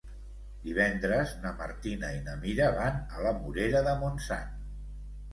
Divendres na Martina i na Mira van a la Morera de Montsant.